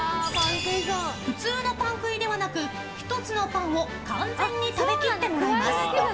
普通のパン食いではなく１つのパンを完全に食べ切ってもらいます。